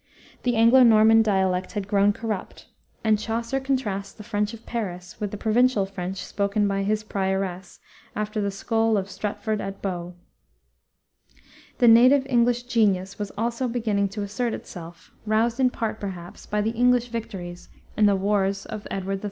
The Anglo Norman dialect had grown corrupt, and Chaucer contrasts the French of Paris with the provincial French spoken by his prioress, "after the scole of Stratford atte Bowe." The native English genius was also beginning to assert itself, roused in part, perhaps, by the English victories in the wars of Edward III.